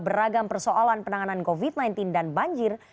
beragam persoalan penanganan covid sembilan belas dan banjir